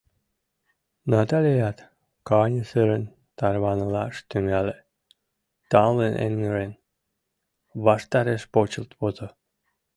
Наталият каньысырын тарванылаш тӱҥале, тамлын эҥырен, ваштареш почылт возо...